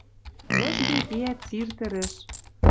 Лыжге кеӓт сир тӹрӹш.